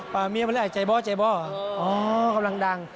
เมียมาเลยใจบ้อใจบ้ออ๋อกำลังดัง